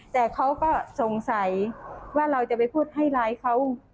แต่เขาก็สงสัยว่าเราจะไปพูดให้ร้ายเขา